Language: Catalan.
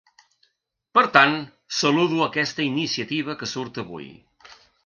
Per tant, saludo aquesta iniciativa que surt avui.